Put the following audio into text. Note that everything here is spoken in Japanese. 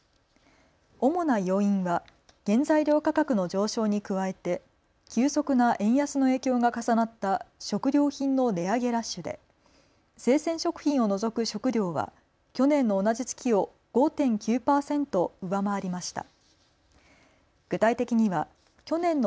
主な要因は原材料価格の上昇に加えて急速な円安の影響が重なった食料品の値上げラッシュで生鮮食品を除く食料は去年の同じ月を５．９％上回りました。